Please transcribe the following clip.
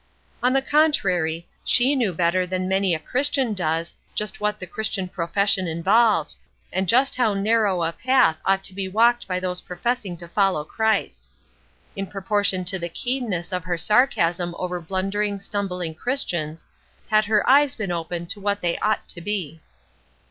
On the contrary, she knew better than many a Christian does just what the Christian profession involved, and just how narrow a path ought to be walked by those professing to follow Christ. In proportion to the keenness of her sarcasm over blundering, stumbling Christians, had her eyes been open to what they ought to be.